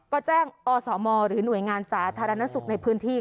ก็แจ้งอสมหรือหน่วยงานสาธารณสุขในพื้นที่